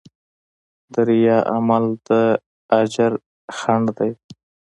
د ریا عمل د اجر خنډ دی.